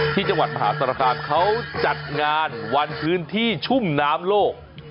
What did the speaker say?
ที่จังหวัดมหาศาลคามเขาจัดงานวันพื้นที่ชุ่มน้ำโลก